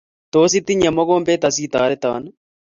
Tos, itinye mogombet asitoreton?